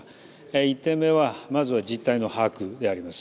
１点目はまずは実態の把握であります。